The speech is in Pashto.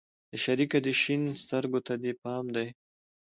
شريکه دې شين سترگو ته دې پام دى.